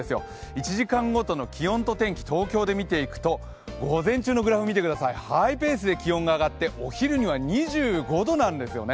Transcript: １時間ごとの気温と天気、東京で見ていくと午前中、ハイペースで気温が上がってお昼には２５度なんですよね。